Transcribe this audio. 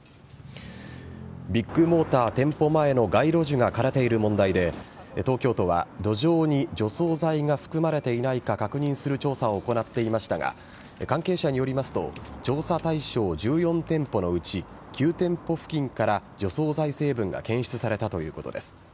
ビッグモーター店舗前の街路樹が枯れている問題で東京都は土壌に除草剤が含まれていないか確認する調査を行っていましたが関係者によりますと調査対象１４店舗のうち９店舗付近から除草剤成分が検出されたということです。